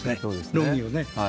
論議をね。